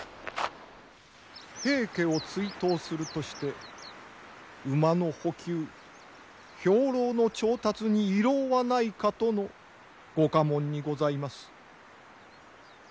平家を追討するとして馬の補給兵糧の調達に遺漏はないかとのご下問にございます。